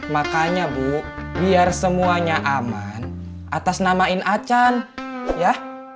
makanya bu biar semuanya aman atas namain acan ya